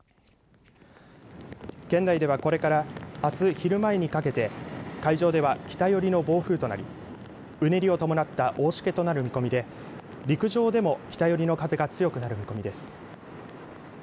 県内では、これからあす昼前にかけて海上では北寄りの暴風となりうねりを伴った大しけとなる見込みで陸上でも北寄りの風が強くなる見込みです。